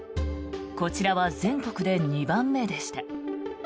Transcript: こちらは全国で２番目でした。